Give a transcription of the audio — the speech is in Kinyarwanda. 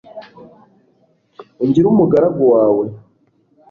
ungire umugaragu wawe